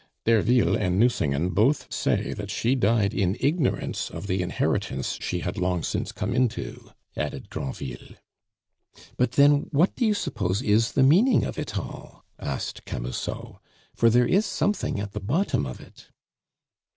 "Derville and Nucingen both say that she died in ignorance of the inheritance she had long since come into," added Granville. "But then what do you suppose is the meaning of it all?" asked Camusot. "For there is something at the bottom of it."